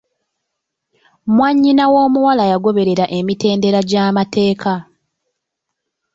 Mwannyina w'omuwala yagoberera emitendera gy'amateeka.